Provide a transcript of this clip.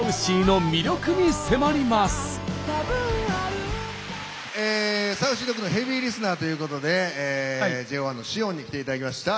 ＳａｕｃｙＤｏｇのヘビーリスナーということでＪＯ１の汐恩に来ていただきました。